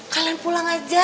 kalian pulang aja